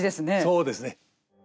そうですね。